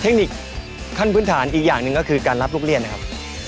เทคนิคขั้นพื้นฐานอีกอย่างหนึ่งก็คือการรับลูกเรียนนะครับ